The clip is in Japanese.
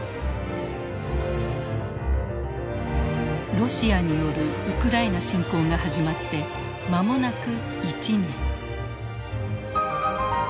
ロシアによるウクライナ侵攻が始まって間もなく１年。